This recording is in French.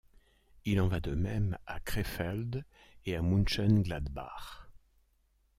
Il en va de même à Krefeld et à München-Gladbach.